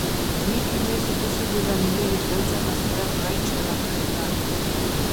Nik inoiz ikusi dudan ilerik beltzena zuen Rachel andereñoak.